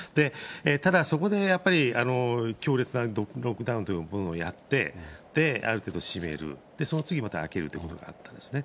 ただそこでやっぱり、強烈なロックダウンというのをやって、ある程度閉める、その次また開けるっていうことになったんですね。